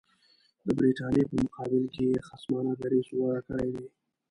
د برټانیې په مقابل کې یې خصمانه دریځ غوره کړی دی.